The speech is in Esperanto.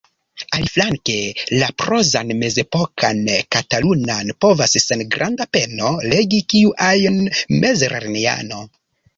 Aliflanke, la prozan mezepokan katalunan povas sen granda peno legi kiu ajn mezlernejano.